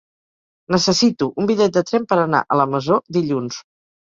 Necessito un bitllet de tren per anar a la Masó dilluns.